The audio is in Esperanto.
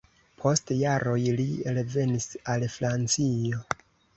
Post jaroj li revenis al Francio.